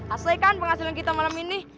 asli kan penghasilan kita malam ini